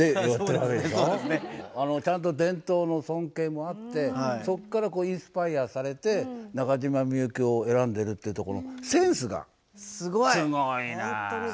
ちゃんと伝統の尊敬もあってそっからインスパイアされて中島みゆきを選んでるっていうとこのセンスがすごいな。